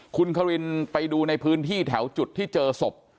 คุณครินไปดูในพื้นที่แถวจุดที่เจอศพ